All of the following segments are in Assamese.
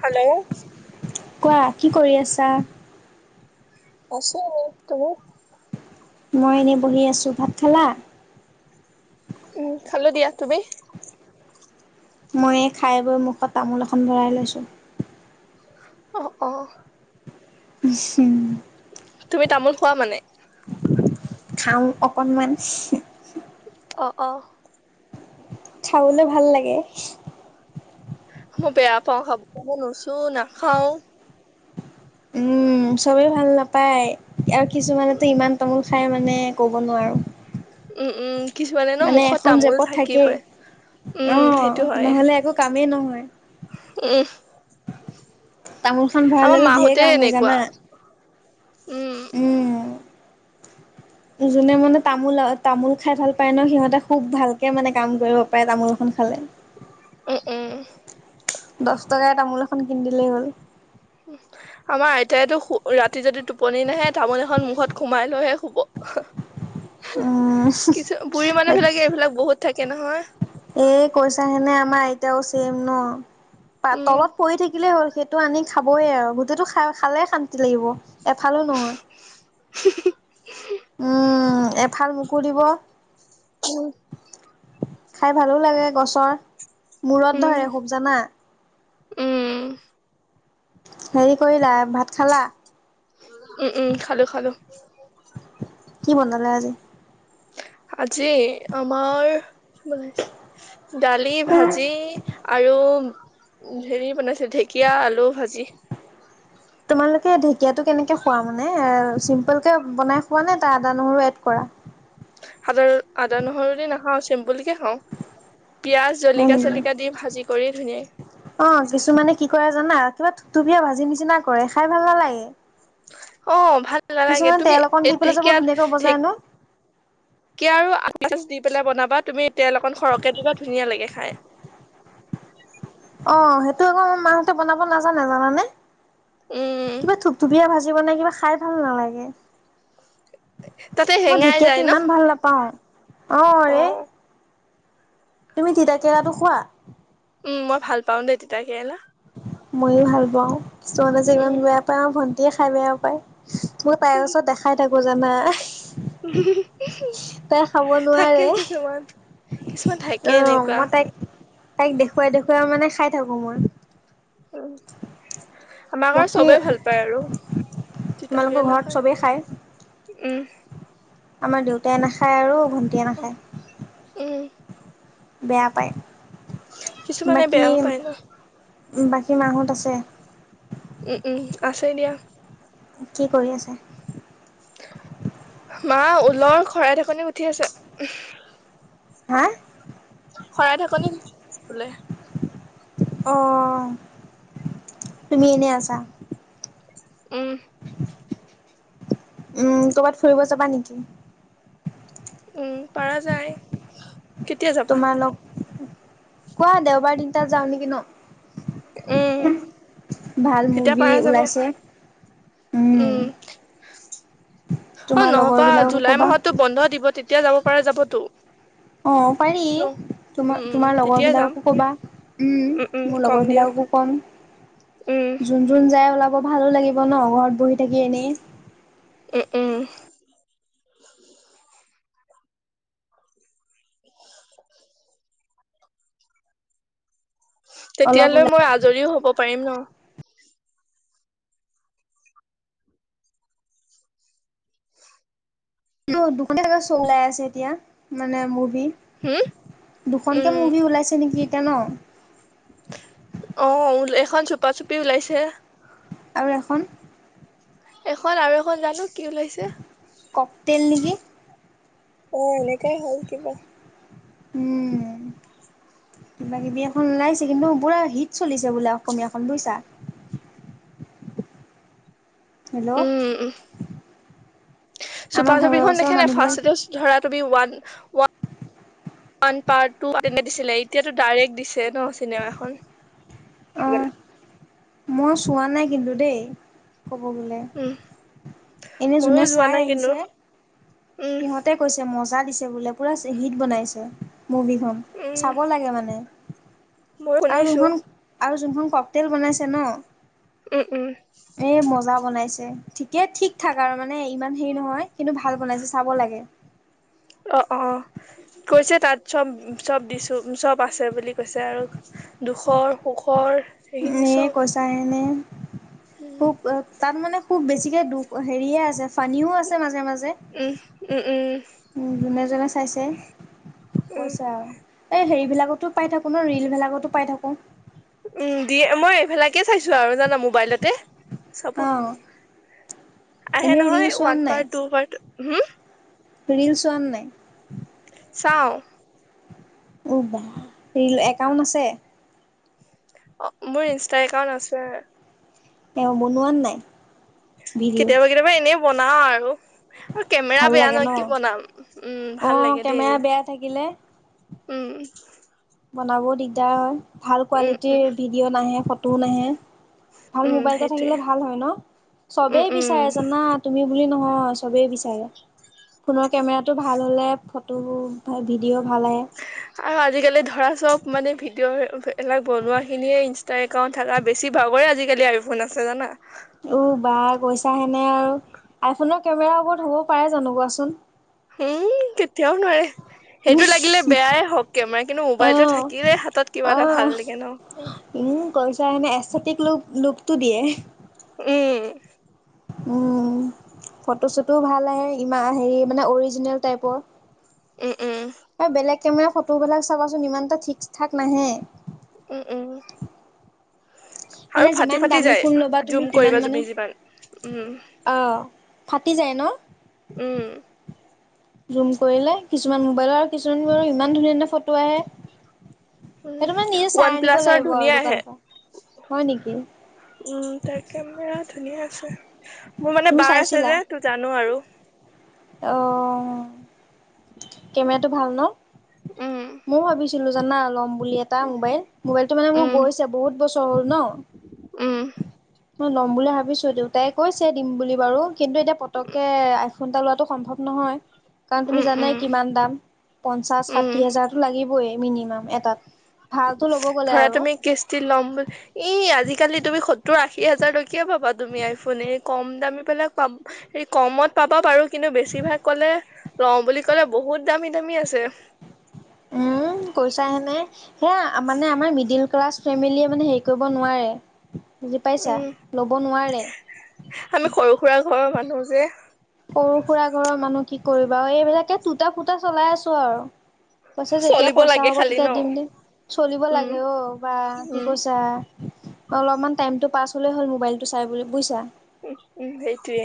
হেল্ল'? কোৱা কি কৰি আছা? আছোঁ এনেই, তুমি? মই এনেই বহি আছোঁ। ভাত খালা? উম! খালো দিয়া, তুমি? মই এই খাই বৈ মুখত তামোল এখন ভৰাই লৈছোঁ। অ অ! অ [unintelligible] তুমি তামোল খোৱা মানে? খাওঁ অকনমান । অ অ! খাবলৈ ভাল লাগে। মই বেয়া পাওঁ খাব, মই নুচো, নাখাওঁ। উম! চবে ভাল নাপায় আৰু কিছুমানেতো উম ইমান তামোল খাই মানে ক'ব নোৱাৰোঁ। উম-উম, কিছুমানে ন মানে মুখত এখন তামোল জেপত থাকেই। থাকিবই। উম! অ', সেইটো হয়। নহ'লে একো কামেই নহয়। উম! তামোলখন ভৰাই আমাৰ ললে ধেৰ মাহঁতে কাম হৈ এনেকুৱা জানা? উম! উম [inaudible] যোনে মানে তামোল তামোল খাই ভাল পায় ন, সিহতে খুব ভালকে মানে কাম কৰিব পাৰে তামোল এখন খা ভালে। উম উম! দচ টকাই তামোল এখন কিন দিলেই হ'ল। আমাৰ আইতাইতো শো ৰাতি যদি টোপনি নাহে তামোল এখন মুখত সোমাই লৈহে শুব। হ হি, উম, কিছু বুঢ়ী মানুহ বাকী বিলাকে এইবিলাক বহুত থাকে নহয়। এই কইচাখনে আমাৰ আইতাও ছেম ন। পাত উম। তলত পৰি থাকিলেই হ'ল সেইটো আনি খাবই আৰু গোটেটো খা খালে শান্তি লাগিব। এফালে নহয় কৰিব। উম। খাই ভালো লাগে গছৰ, মূৰত উম ধৰে খুব জানা। উম। হেৰি কৰিলা ভাত খালা? উম উম খালো খালো। কি বনালে আজি? আজি আমাৰ কি বনাইছে দালি, ভাজি আৰু উম, হেৰি বনাইছে ঢেকীয়া, আলু ভাজি। তোমালোকে ঢেকিয়াটো কেনেকে খোৱা মানে এ চিম্পুল কে বনাই খোৱা নে তাৰ আদা, নহৰু এড কৰা? আদা আদা, নহৰু দি নাখাওঁ চেম্পুল কে খাও, পিয়াজ হয় জলকিয়া নেকি? চলিকিয়া দি ভাজি কৰি ধুনীয়াই অ, কিছুমানে কি কৰে জানা কিবা থুপথুপীয়া ভাজি নিচিনা কৰে খাই ভাল নালাগে। অ ভাল নালাগে, কিছুমানে তুমি তেল অকণ দি পেলাই যে বৰ ঢেকীয়াত ধুনীয়াকৈ ঢে বজাই ন। কি আৰু আচ দি পেলাই বনাব বা তুমি তেল অকন সৰহকে দিবা ধুনীয়া লাগে খাই। অ সেইটো আকৌ মাহতে বনাব নাজানে জানানে? উম কিবা থুপথুপীয়া ভাজি জী বনাই কিবা খাই ভাল নালাগে। তাতে মই হেঙাই ঢেকীয়াটো যায় ন ইমান ভাল নাপাওঁ, অ ৰে। তুমি তিতাকেৰালাটো খোৱা? উম মই ভাল পাওঁ দেই তিতা কেৰেলা ময়ো ভাল পাওঁ কিছুমানে যে উম ইমান বেয়া পায় মাৰ ভণ্টিয়ে খাই বেয়া পায় ত তাইৰ ওচৰত দেখাই থাকো জানা তাই খাব থাকে নোৱাৰে কিছুমান কিছুমান থাকে অ এনেকুৱা মই তাইক তাইক দেখুৱাই দেখুৱাই মানে খাই থাকো মই উম। আমাক আৰু বাকী চবেই ভাল পায় আৰু তোমালোকৰ তিতাকলা ঘৰত খাই চবেই খায়। উম আমাৰ দেউতাই নাখায় আৰু ভণ্টীয়েে নাখায়। উম বেয়া পায়। কিছুমানে বেয়াও বাকী পায় ন বাকী মা হত আছে উম উম আছে দিয়া কি কৰি আছে? মা ঊলৰ শৰাই ঢাকনি উঠি আছে হা শৰাই ঢাকনি বোলে অ তুমি এনেই আছা উম উম কৰ'বাত ফুৰিব যাবা নেকি? উম পাৰা যায়। কেতিয়া যাবা তোমাৰ লগ কোৱা দেওবাৰ তিনতাত যাও নেকি উম ন। ভাল তেতিয়া মুভি পাৰা যাব ওলাইছে উম। অ তোমাৰ লগৰ নহবা বিলাককো জুলাই ক'বা মাহতো বন্ধ দিব তেতিয়া যাব পাৰো যাবতো। অ পাৰি। ন উম তোমাৰ উম তোমাৰ লগৰ তেতিয়াই যাম বিলাককো কবা উম মোৰ লগৰবিলাককো কম। উম যোন যোন যায় ওলাব ভালো লাগিব ন ঘৰত বহি থাকি এনেই। উ উ। অলপ তেতিয়ালৈ ওলাই মই আজৰিও হব পাৰিম ন। দুখন চলাই আছে এতিয়া মানে মোৰ। হুম দুখনকে মুভি ওলাইছে নেকি এতিয়া ন। আহ এখন চোপা চোপি ওলাইছে। আৰু এখন। এখন আৰু এখন জানো কি ওলাইছে। কক তেল নেকি। অ এনেকাই হ'ল কিবা। উম। কিবা কিবি এখন ওলাইছে কিন্তু পুৰা হিট চলিছে বোলে অসমীয়াখন বুইছা। [inaudible] হেল্ল' উম উ চোপা আমাৰ ঘৰৰ চোপিখন ওচৰৰ দেখে নাই মানুহবিলাক ফাৰ্ষ্ট এ ধৰাত। B one. One part two তেনে দিছিলে এতিয়াতো ডাইৰেক্ট দিছে ন অ চিনেমাখন। [unintelligible] মই চোৱা নাই কিন্তু দেই ক'ব গ'লে। উম এনে ময়ো যোনে যোৱা চাই নাই কিন্তু আহিছে উম সিহঁতে কৈছে মজাত। দিছে বোলে পুৰা হিট বনাইছে মুভিখন চাব লাগে মানে। মই শুনছো। যোনখনক তেল বনাইছে ন উম উম এ মজা বনাইছে ঠিকে ঠিক। থাক আৰু মানে ইমান হেৰি নহয় কিন্তু ভাল বনাইছো চাব লাগে। অ অ কৈছে তাত চব চব দিছোঁ চব আছে বুলি কৈছে আৰু। দুখৰ সোখৰ। নে কচায় নে। খুব তাত মানে খুব বেছিকে দুখ হেৰিয়ে আছে। ফানীও আছে মাজে মাজে উম উম উম উ যোনে যোনে চাইছে। উম কৈছা আৰু এই হেৰিবিলাকতো পাই থাকো ন ৰিল বিলাকতো পাই থাকো। উম দিয়ে মই এইফিলাকে চাইছো আৰু জানা মোবাইলতে চাব। অঁ আহে এনেই ৰিল নহয় ওৱান পাৰ টু পাৰ হম। ৰীল সচুৱান নাই। ছাও। অঁ বা ৰিল একাউণ্ট আছে। অ মোৰ ইনষ্টা একাউট আছে। তেওঁ বনোৱাত নাই। ভিডিঅ' কেতিয়াবা কেতিয়াবা এনেই বনাও আৰু। অ কেমেৰা ভাল বেয়া লাগে ন নয় কি বনাম উম ভাল অঁ লাগে দেই। কেমেৰা বেয়া থাকিলে উম। বনাবও দিগদাৰ হয় ভাল উম উম কোৱালিটিৰ ভিডিঅ' নাহে ফটো নাহে। ভাল উম মোবাইল এটা সেইটোৱে থাকিলে ভাল হয় ন উম চবেই উম বিচাৰে জানা তুমি। নয়ব বিচ ফো কেম ভাল হলে ফটো ভিদিঅ। আৰু আজিকালি ধৰা চব মানে ভি। ভিডিঅ' এইবিলাক বনোৱাখিনিয়ে ইনষ্টা একাউণ্ট থকা বেছি ভাগৰে আজিকালি আইফোন আছে জানা। উ বাৰ কৈছা হেনে আৰু আইফোনৰ কেমেৰা ওপৰত হ'বও পাৰে জানো কোৱাচোন। উম কেতিয়া নোৱাৰে। সেইটো লাগিলে বেয়াই হওঁক কেমেৰা কিন্তু মোবাইলটো অ', থাকিলে হাতত কিবা এটা অ', ভাল লাগে ন। উম কৈছা এনে এটিক লো লোকটো দিয়ে। উম। উম ফটোশ্বুটো ভাল আহে ইমান হেৰি মানে অৰিজিনেল টাইপৰ। উম উম বেলেগ কেমেৰা ফটো বিলাক চাবাচোন ইমানটা ঠিক ঠাক নাহে। উম উম। আৰু মানে ফাটি যিমান ফাটি দামী যায় ফোন ল'বা তুমি জুম তিমান কৰিবা মানে জুমি যিমান উম। অ', ফাটি যায় ন। উম জুম কৰিলে কিছুমান মোবাইলৰ আৰু কিছুমান ইমান ধুনীয়া ধুনীয়া ফটো আহে। সেইটো মানে নিজে চাই ওৱান আনিব প্লাছৰ লাগিব আৰু ধুনীয়া আহে। দোকানৰ পৰা হয় নেকি উম ত কেমেৰাত। ধুনীয়া আছে মোৰ মানে তুমি বাৰ আছে চাইছিলা যে তোৰ জানো আৰু। অ কেমেৰাটো ভাল ন উম, মই ভাবিছো। ছিলো জানা ল'ম বুলি এটা মোবাইল মোবাইলতটো মানে মোৰ উম, গৈছে বহুত বছৰ হ'ল ন। উম। মই ল'ম বুলি ভাবিছো দেউতাই কৈছে দিম বুলি বাৰু কিন্তু এতিয়া পতকে আইফোন এটা লোৱাটো। সম্ভৱ নহয় কাৰণ তুমি উম, জানাই উম, কিমান দাম পঞ্চাশ উম। সাথী হাজাৰ টো লাগিব। মিনিমাম এটাত। ভালটো ল'ব গ'লে ধৰা আৰু তুমি কিষ্টি ল'ম বুলি ই আজি। আজিকালি তুমি সত্তৰ আশী হাজাৰলৈকে পাবা তুমি আইফোন হৰি কম দামী পিলাক পাম হেৰি কমত। পাবা পাৰো কিন্তু বেছিভাগ কলে লওঁ বুলি ক'লে বহুত দামী দামী আছে। [unintelligible] পইছা হে নাই সেয়া মানে আমাৰ মিডিল ক্লাছ ফেমিলীয়ে মানে হেৰি কৰিব নোৱাৰে। বুজি পাইছা উম, ল'ব নোৱাৰে। ঘৰ মানুহ যে। সৰু সুৰা ঘৰৰ মানুহ কি কৰিবা আৰু এইবিলাকে টুটা ফুটা চলাই আছো আৰু। কৈছে যেতিয়া চলিব পইচা লাগে হ'ব খালি তেতিয়া ন। দিম দিম। চলিব উম, লাগে অ বা কি উম, কৈছা অলপমান টাইম টো পাছ হলে হ'ল মোবাইল টো চাই বুলি বুজিছা উম উম সেইটোৱে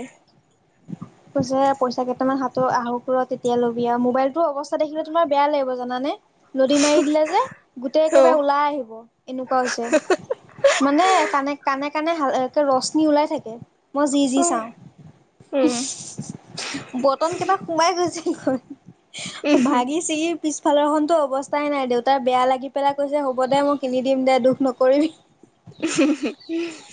কৈছে পইচা কেইটামান হাত আহক ৰহ তেতিয়া ল'বি আৰু মোবাইলতটোও অৱ দেখিলে তোমাৰ বেয়া লাগিব জানা নে লদি মাৰি দিলে যে গোটেই অ', একেবাৰে ওলাই আহিব এনেকুৱা হৈছে। মানে কানেক কানেক সেইকাৰণে ৰশ্মী ওলাই থাকে মই যি যি অ', চাওঁ। উম, বতন কেইটা সোমাই গৈ উম। ভাগি ছিগি পিছফালৰখনতো অৱস্থাই নাই দেউতাৰ বেয়া লাগি পেলাই কৈছে হ'ব দে মই কিনি দিম দে দুখ নকৰিবি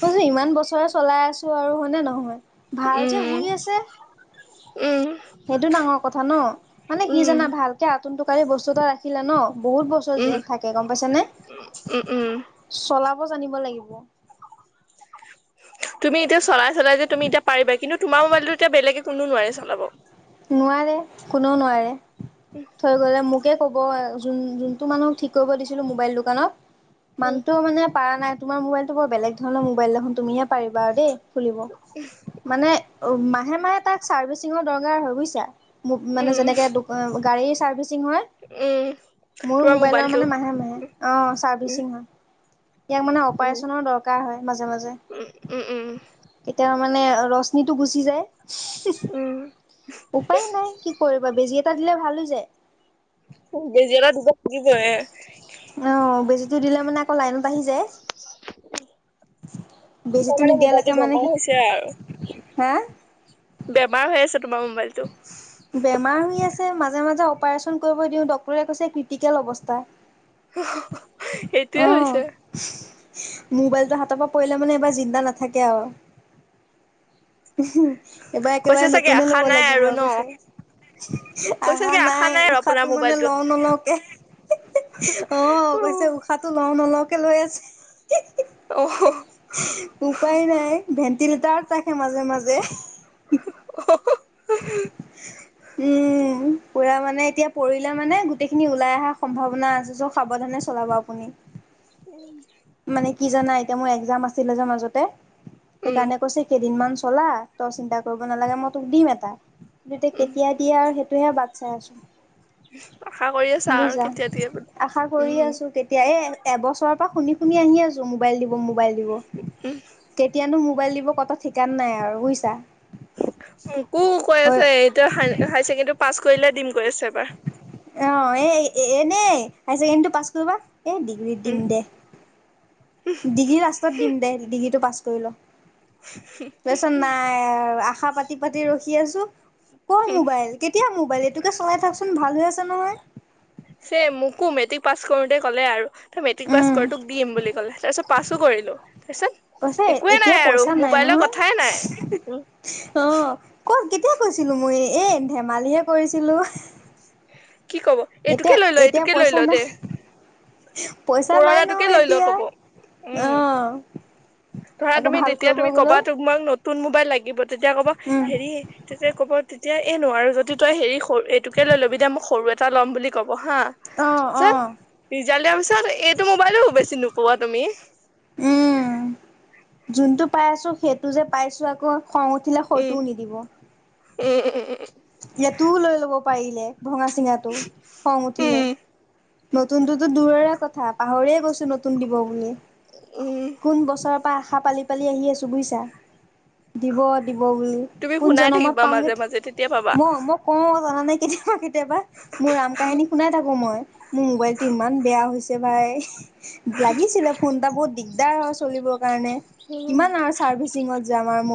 কৈছোঁ ইমান বছৰে চলাই আছো আৰু হয়নে নহয়। ভাল যে উম, শুই আছে। উম, সেইটো ডাঙৰ কথা ন মানে কি উম, জানা ভালকে আতুম টোকাৰী বস্তু এটা ৰাখিলে ন। বহুত বছৰ উম, যে থাকে গম পাইছা নে উম, উম, চলাব। হক জানিব লাগিব। তুমি এতিয়া চলাই চলাই যে তুমি এতিয়া পাৰিবা কিন্তু তোমাৰ মোবাইলতো এতিয়া বেলেগে কোনো নোৱাৰে চলাব। নোৱাৰে কোনেও নোৱাৰে থৈ গলে মোক। মোক কব যোনটো মানুহ ঠিক কৰিব দিছিলো মোবাইল দোকানত উম, মানুতটোও মানে পাৰা নাই। তোমাৰ মোবাইলটো বেলেগ ধৰণৰ মোবাইল দেখোন ন তুমি পাৰিবা আৰু দেই। মানে মাহে মাহে তাক চাৰ্ভিচিঙৰ দৰকাৰ হয়। মোক মানে উম, যেনেকে গাড়ী চাৰ্ভিছিং। উম, মোৰো তোমাৰ মোবাইলৰ মোবাইলটো মানে মাহে মাহে অ উম, ছাৰ্ভিচিং হয়। ইয়াক মানে উম, অপাৰেচনৰ দৰকাৰ হয় মাজে মাজে উম, উম, কেতিয়া মানে ৰশ্মিটো গুচি যায়। উপায় নাই কি কৰিবা বেজি এটা দিলে ভাল হৈ যায়। বেজি এটা দিব কি কৰে। টো দিলে মানে আকৌ লাইনত আহি যায়। উ তাৰ বেজীটো মানে নিদিয়ালৈকে মোবাইলটো মানে বেমাৰ হৈছে আৰু। হা বেমাৰ হৈ আছে তোমাৰ মোবাইলটো। বেমাৰ হৈ আছে মাজে মাজে অপাৰেচন কৰিব দিওঁ ডক্টৰে কৈছে ক্ৰিটিকেল অৱস্থা। সেইটোৱে অ' হৈছে। মোবাইলটো হাতৰ পৰা পৰিলে মানে এইবাৰ জিন্দা নাথাকে আৰু। এবাৰ কৈছে একেবাৰে চাগে নতুনে আশা ল'ব নাই লাগিব আৰু ন কৈছে কৈছে আহা চাগে আশা নাই আৰু আপোনাৰ উশাহটো মানে মোবাইলটো। ল নলওঁকে। অ কৈছে অ', উশাহ টো লওঁ নলওকে লৈ আছে। অ', উপায় নাই ভেন্টিলেটাৰত ৰাখে মাজে মাজে উ উম পুৰা মানে এতিয়া পৰিলে মানে গোটেই খিনি ওলাই অহাৰ সম্ভাৱনা আছে সাৱধানে চলাব আপুনি উ মানে কি জানা এতিয়া মোৰ একজাম আছিলে যে মাজতে উম, সেইকাৰণে কৈছে কেইদিনমান চলা তই চিন্তা কৰিব নালাগে মই তোক দিম এটা কি উম, কেতিয়া দিয়ে আৰু তুহে বাট চাই আছোন আশা কৰি আছা আৰু বুইছা কেতিয়া দিয়ে বুলি আশা কৰি উম। আছো কেতিয়াই এ এবছৰৰ পৰা শুনি শুনি আহি আছো মোবাইল দিব মোবাইল দিব কেতিয়ানো মোবাইল দিব কত ঠিকান নাই আৰু বুইছা উ কৈ আছে এতিয়া হাই ছেকেণ্ডেৰী পাছ কৰিলে দিম। কৈ আছে এবাৰ অ এ এনে হাই ছেকেণ্ডৰীটো পাছ কৰিবা। এ ডিগ্ৰী উম দিম দে ডিগ্ৰী লাষ্টত দিম দে, ডিগ্ৰীটো পাছ কৰি ল'। [unintelligible] নাই আশা পাতি, পাতি ৰখি আছোঁ। ক' উম মোবাইল, কেতিয়া মোবাইল, এইটোকে চলাই থাকচোন ভাল হৈ আছে নহয়। চে মোকো মেট্ৰিক পাছ কৰোঁতে ক'লে আৰু তই মেট্ৰিক পাছ উম কৰ তোক দিম বুলি ক'লে তাৰ পিছত পাছো কৰিলোঁ। তাৰপিছত, কৈছে একোৱে এতিয়া নাই আৰু পইচা নাই মোবাইলৰ নহয় কথাই নাই। উম! অ'! ক'ত কেতিয়া কৈছিলোঁ মই! এ, ধেমালিহে কৰিছিলোঁ। কি ক'ব? এইটোকে লৈ ল', এইটোকে লৈ পইচা ল' দে। নাই পইচা নাই পুৰণাটোকে নহয় লৈ ল' এতিয়া কব। অ উম! ধৰা আকৌ তুমি ভাল তেতিয়া কৰিব তুমি ক'বা! গলেও তোক মই নতুন মোবাইল লাগিব? তেতিয়া ক'ব উম হেৰি, তেতিয়া ক'ব তেতিয়া, এই নোৱাৰোঁ যদি তই হেৰি, সৰু এইটোকে লৈ ল'বি দে মই সৰু এটা ল'ম বুলি ক'ম। পঢ়া! অ অ পিছত, ৰিজাল্ট দিয়াৰ পিছত এইটো মোবাইলো বেছি নোপোৱা তুমি। উম [unintelligible] যোনটো পাই আছোঁ, সেইটো যে, পাইছোঁ আকৌ। খং উঠিলে উম হয়টোও নিদিব। [unintelligible] ইয়াতো লৈ ল'ব পাৰিলে। ভঙা চিঙাটো খং উম উঠিলে! উম নতুনটোতো দূৰৰে কথা, পাহৰিয়ে গৈছোঁ নতুন দিব বুলিয়ে। উম কোন বছৰৰ পৰা আশা পালি, পালি আহি আছোঁ বুইছা। দিব, দিব বুলি, তুমি শুনাই কোনজনমত থাকিবা পাওঁগে। মাজে মাজে তেতিয়া পাবা মই, মই কওঁ জানানে কেতিয়াবা, কেতিয়াবা। মোৰ আম কাহিনী শুনাই থাকোঁ মই। মোৰ মোবাইল টো ইমান বেয়া হৈছে। [unintelligible] লাগিছিলে ফোন এটা বহুত দিগদাৰ হয় চলিব। কাৰনে, উম কিমান আৰু চাৰ্ভিচিঙত যাম আৰু